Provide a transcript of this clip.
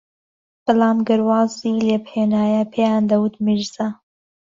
بەڵام گەر وازی لێبھێنایە پێیان دەوت میرزا